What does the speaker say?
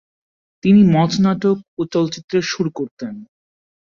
তিনি মঞ্চনাটক ও চলচ্চিত্রের সুর করতেন।